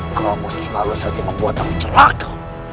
kau selalu saja membuat aku celaka